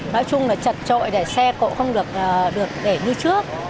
nói chung là chật trội để xe cộ không được để như trước